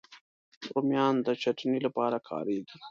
رومیان د چټني لپاره کارېږي